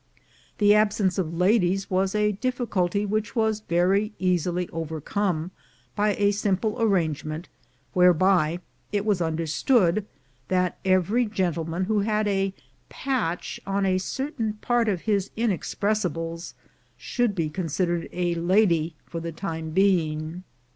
The absence of ladies was a difficulty which was very easily overcome, by a simple arrange ment whereby it was understood that every gentleman who had a patch on a certain part of his inexpressibles should be considered a lady for the time being.